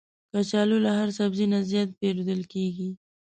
کچالو له هر سبزي نه زیات پېرودل کېږي